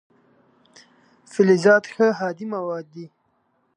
فلزات ښه هادي مواد دي.